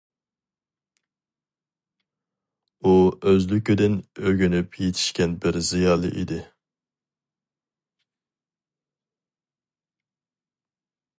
ئۇ ئۆزلۈكىدىن ئۆگىنىپ يېتىشكەن بىر زىيالىي ئىدى.